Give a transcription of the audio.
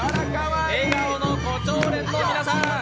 笑顔の胡蝶蓮の皆さん。